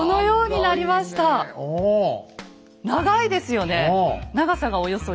長いですよね！